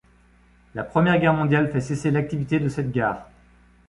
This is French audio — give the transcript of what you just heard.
La Première Guerre mondiale fait cesser l'activité de cette gare.